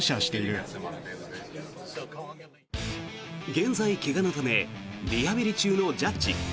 現在、怪我のためリハビリ中のジャッジ。